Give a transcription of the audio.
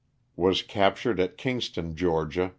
Was captured at Kingston, Ga.